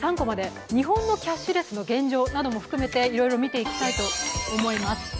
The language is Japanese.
日本のキャッシュレスの現状なども含めて見ていきたいと思います。